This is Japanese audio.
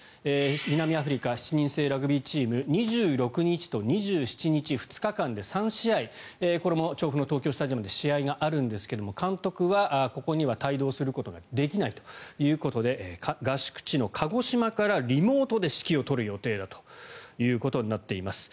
南アフリカ７人制ラグビーチーム２６日と２７日の２日間で３試合これも調布の東京スタジアムで試合があるんですけれども監督はここには帯同することができないということで合宿地の鹿児島からリモートで指揮を執る予定となっています。